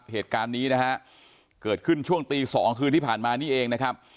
เหตุการณ์นี้นะฮะเกิดขึ้นช่วงตีสองคืนที่ผ่านมานี่เองนะครับ